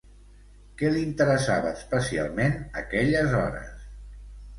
Què l'interessava especialment aquelles hores?